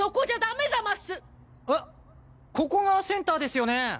ここがセンターですよね。